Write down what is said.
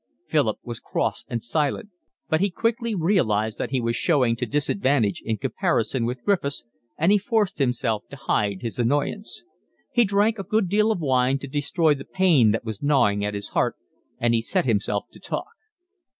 Philip was cross and silent, but he quickly realised that he was showing to disadvantage in comparison with Griffiths, and he forced himself to hide his annoyance. He drank a good deal of wine to destroy the pain that was gnawing at his heart, and he set himself to talk.